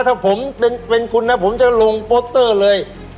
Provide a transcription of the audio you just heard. ถ้าผมเป็นคุณนะผมจะลงโปสเตอร์เลย